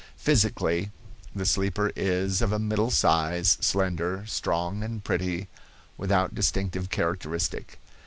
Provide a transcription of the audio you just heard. "Physically, the sleeper is of a middle size, slender, strong and pretty, without distinctive characteristic.